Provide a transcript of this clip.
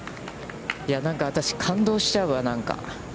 なんか私、感動しちゃうわ、なんか。